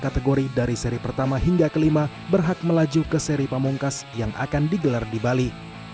kategori dari seri pertama hingga kelima berhak melaju ke seri pamungkas yang akan digelar di bali